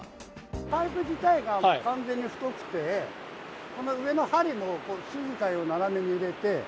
パイプ自体が完全に太くて、この上のはりも筋交いを斜めに入れて。